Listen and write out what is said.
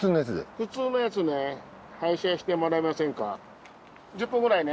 普通のやつね配車してもらえませんか。